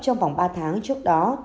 trong vòng ba tháng trước đó